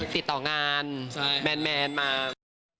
ติดต่องานแมนมา